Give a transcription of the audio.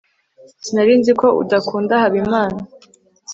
sinari nzi ko udakunda habimana